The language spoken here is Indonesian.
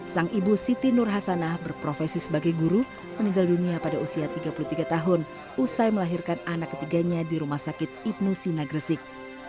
sang ibu siti nur hasanah berprofesi sebagai guru meninggal dunia pada usia tiga puluh tiga tahun usai melahirkan anak ketiganya di rumah sakit ibnu sina gresik